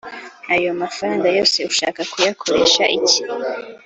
ayo mafaranga yose ushaka kuyakoresha iki